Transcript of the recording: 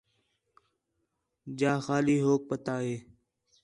جا خالی ھوک پتا ہِے